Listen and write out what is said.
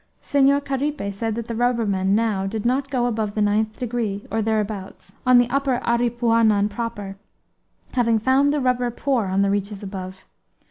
Senhor Caripe said that the rubbermen now did not go above the ninth degree, or thereabouts, on the upper Aripuanan proper, having found the rubber poor on the reaches above.